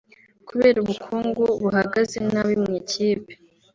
Kubera ubukungu buhagaze nabi mu ikipe